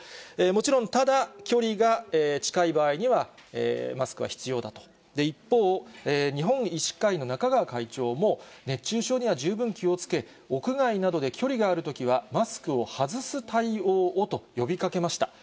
もちろん、ただ距離が近い場合には、マスクは必要だと、一方、日本医師会の中川会長も、熱中症には十分気をつけ、屋外などで距離があるときは、マスクを外す対応をと呼びかけました。